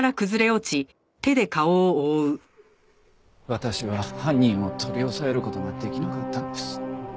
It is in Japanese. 私は犯人を取り押さえる事ができなかったんです。